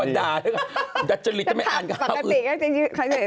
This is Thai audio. อันนี้เดินก่อนด่าจะหลีกจะไม่อ่านข่าวอื่น